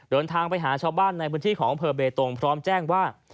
เดินทางไปหาชาวบ้านในพื้นที่ของอำเภอเบตงพร้อมแจ้งว่า